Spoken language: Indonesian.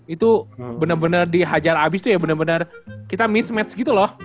itu bener bener dihajar abis tuh ya bener bener kita mismatch gitu loh